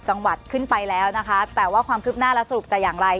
จังหวัดขึ้นไปแล้วนะคะแต่ว่าความคืบหน้าและสรุปจะอย่างไร